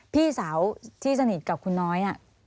พี่สาวที่สนิทกับคุณน้อย